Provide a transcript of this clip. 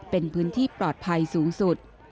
เป็นพื้นที่ปลอดภัยสูงสุด